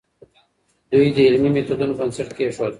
دوی د علمي میتودونو بنسټ کيښود.